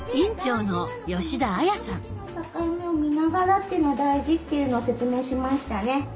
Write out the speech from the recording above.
境目を見ながらっていうのは大事っていうのは説明しましたね。